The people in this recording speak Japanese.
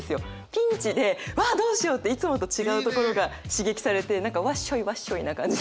ピンチでうわどうしようっていつもと違うところが刺激されて何かわっしょいわっしょいな感じで。